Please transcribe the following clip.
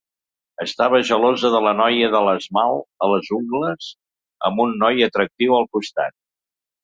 Estava gelosa de la noia de l'esmalt a les ungles amb un noi atractiu al costat.